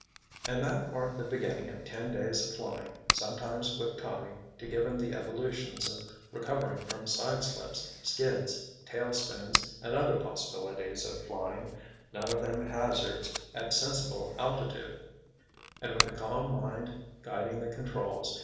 And that marked the beginning of ten days of flying, sometimes with Tommy to give him the evolutions of recovering from side slips, skids, tail spins, and other possibilities of flying, none of them hazards at sensible altitude, and with a calm mind guiding the controls.